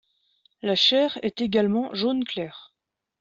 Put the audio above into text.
La chair est également jaune clair.